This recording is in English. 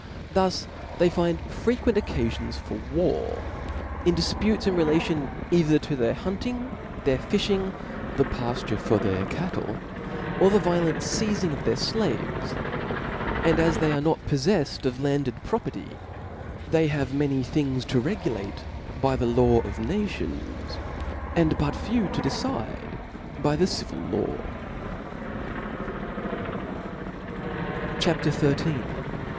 Thus they find frequent occafion^ for war, in difputes relative either to their hunt ing, their fifliing, the pafture for their cattle, or fhe violent feizing of their flaves \ and as they are pot poffcflcd of landed property, they have many things O F L A W S. 409 things to regulate by the law of nations, and but Book few to decide by the civil law Ch/^^!' CHAP, XIII.